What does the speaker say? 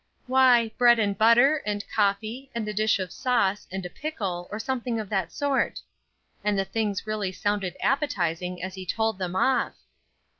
'Why, bread, and butter, and coffee, and a dish of sauce, and a pickle, or something of that sort;' and the things really sounded appetizing as he told them off.